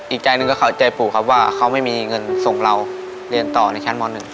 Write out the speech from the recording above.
อีกใจหนึ่งก็เข้าใจปู่ครับว่าเขาไม่มีเงินส่งเราเรียนต่อในชั้นม๑